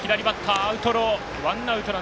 アウトロー。